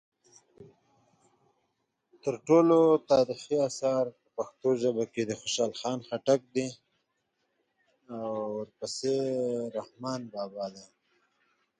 He can play at either centre back or right back.